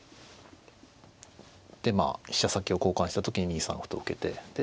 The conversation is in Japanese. でまあ飛車先を交換した時２三歩と受けて。